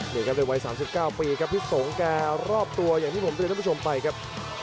นี่ครับเลยวัยสามสิบเก้าปีครับพี่สงแกรอบตัวอย่างที่ผมได้ด้วยด้านผู้ชมไปครับ